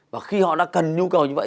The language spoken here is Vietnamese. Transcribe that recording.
và khi họ đã cần nhu cầu như vậy